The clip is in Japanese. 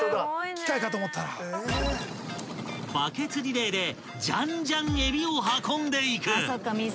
［バケツリレーでじゃんじゃんえびを運んでいく］